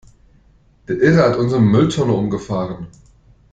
Der Irre hat unsere Mülltonne umgefahren!